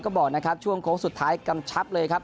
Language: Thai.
ก็บอกนะครับช่วงโค้งสุดท้ายกำชับเลยครับ